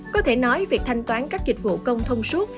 có thể nói việc thanh toán các dịch vụ công thông suốt